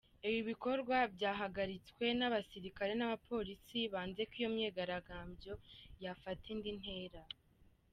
Ibi bikorwa byahagaritswe n’abasirikare n’abapolisi banze ko iyo myigaragambyo yafata indi ntera.